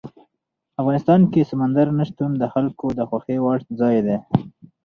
افغانستان کې سمندر نه شتون د خلکو د خوښې وړ ځای دی.